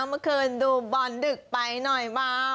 เมื่อคืนดูบอลดึกไปหน่อยมา